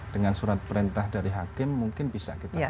dengan surat perintah dari hakim mungkin bisa kita